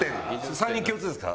３人共通ですか？